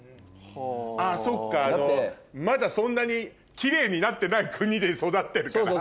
あそっかまだそんなにキレイになってない国で育ってるから。